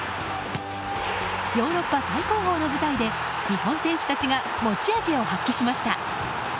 ヨーロッパ最高峰の舞台で日本選手たちが持ち味を発揮しました。